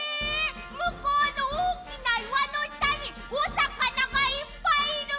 むこうのおおきないわのしたにおさかながいっぱいいる！？